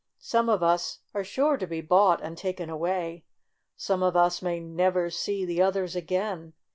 Some of us are sure to be bought and taken away. Some of us may never see the others again.